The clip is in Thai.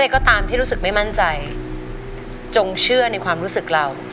ก็ตามที่รู้สึกไม่มั่นใจจงเชื่อในความรู้สึกเรา